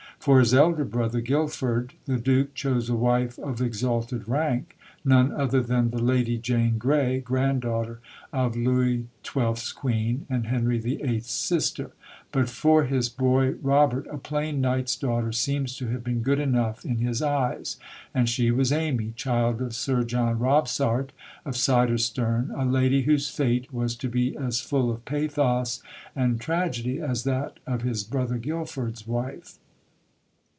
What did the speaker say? For his elder brother, Guildford, the Duke chose a wife of exalted rank, none other than the Lady Jane Grey, grand daughter of Louis XII.'s Queen and Henry VIII.'s sister. But for his boy, Robert, a plain knight's daughter seems to have been good enough in his eyes; and she was Amy, child of Sir John Robsart, of Siderstern, a lady whose fate was to be as full of pathos and tragedy as that of his brother Guildford's wife.